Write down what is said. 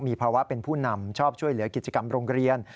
มีภาวะเป็นผู้นำชอบช่วยเหลือกิจกรรมโรงเรียน